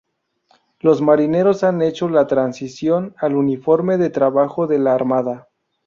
Los marineros han hecho la transición al Uniforme de Trabajo de la Armada.